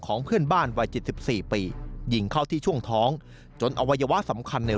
ของเพื่อนบ้านวัย๗๔ปีหญิงเข้าที่ช่วงท้องจนอวัยวะสำคัญใน